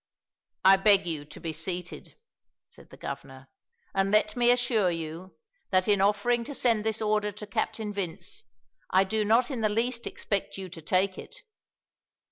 "I beg you to be seated," said the Governor, "and let me assure you, that in offering to send this order to Captain Vince I do not in the least expect you to take it.